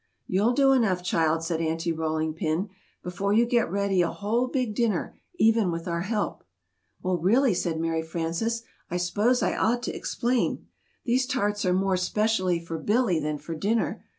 "You'll do enough, child," said Aunty Rolling Pin, "before you get ready a whole big dinner, even with our help." "Well, really," said Mary Frances, "I 'spose I ought to explain: These tarts are more 'specially for Billy than for dinner.